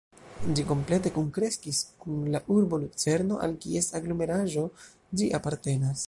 Ĝi komplete kunkreskis kun la urbo Lucerno, al kies aglomeraĵo ĝi apartenas.